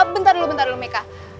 bentar dulu bentar dulu meka